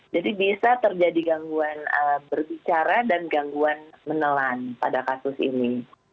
jadi bisa terjadi gangguan berbicara dan gangguan menelan pada kasus ini